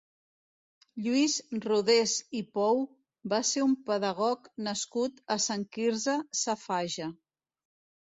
Lluís Rodés i Pou va ser un pedagog nascut a Sant Quirze Safaja.